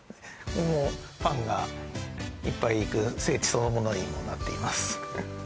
ここもファンがいっぱい行く聖地そのものにもなっています